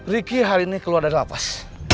riki hari ini keluar dari lapas